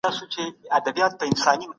ځان ملامتول حل نه دی.